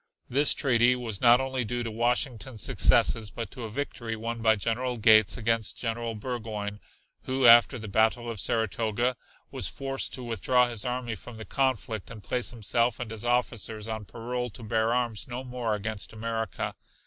This treaty was not only due to Washington's successes but to a victory won by General Gates against General Burgoyne, who, after the battle of Saratoga, was forced to withdraw his army from the conflict and place himself and his officers on parole to bear arms no more against America.